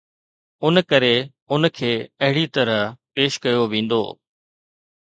ان ڪري ان کي اهڙي طرح پيش ڪيو ويندو